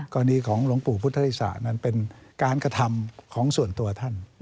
กรณีของหลวงปู่พุทธอิสระนั้นเป็นการกระทำของส่วนตัวท่าน